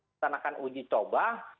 mencanakan uji coba